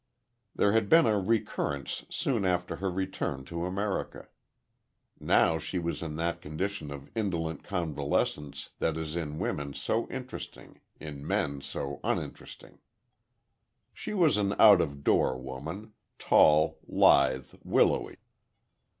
There had been a recurrence soon after her return to America. Now she was in that condition of indolent convalescence that is in women so interesting, in men so uninteresting. She was an out of door woman, tall, lithe, willowy.